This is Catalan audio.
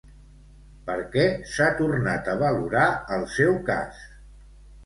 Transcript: Per què s'ha tornat a valorar el seu cas?